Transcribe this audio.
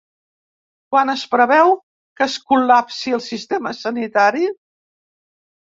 Quan es preveu que es col·lapsi el sistema sanitari?